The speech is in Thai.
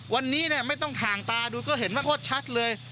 วันนี้น่ะไม่ต้องถางตาดูก็เห็นว่าโคตรชัดเลย